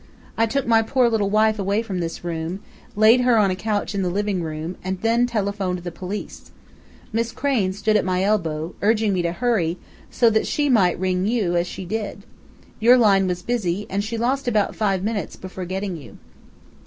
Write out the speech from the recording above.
"I took my poor little wife away from this room, laid her on a couch in the living room, and then telephoned the police. Miss Crain stood at my elbow, urging me to hurry, so that she might ring you as she did. Your line was busy, and she lost about five minutes before getting you."